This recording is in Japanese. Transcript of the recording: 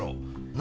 何？